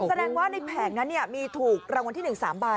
แสดงว่าในแผงนั้นมีถูกรางวัลที่๑๓ใบ